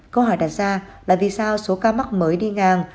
câu hỏi đặt ra là vì sao số ca mắc mới đi ngang